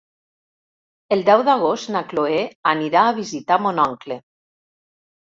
El deu d'agost na Cloè anirà a visitar mon oncle.